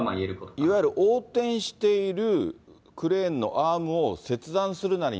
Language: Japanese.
いわゆる横転しているクレーンのアームを切断するなり